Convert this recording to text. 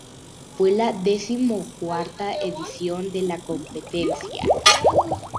Fue la decimocuarta edición de la competencia.